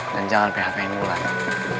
dan jangan php in wulan